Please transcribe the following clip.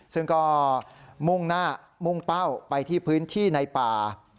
ซึ่งก็มุ่งหน้ามุ่งเป้าไปที่พื้นที่ในป่า